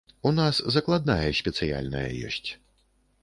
У нас закладная спецыяльная ёсць.